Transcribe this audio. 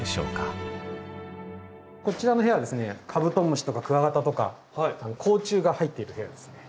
こちらの部屋はカブトムシとかクワガタとか甲虫が入っている部屋ですね。